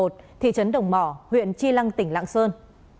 thị trấn đồng mỏ huyện chi lăng tỉnh lạng sơn